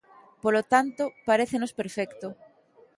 Polo tanto, parécenos perfecto.